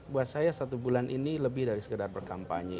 buat saya satu bulan ini lebih dari sekedar berkampanye